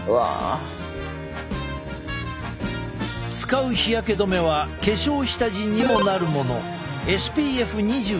使う日焼け止めは化粧下地にもなるもの。